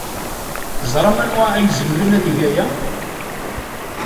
Teẓram anwa ay izemren ad yeg aya?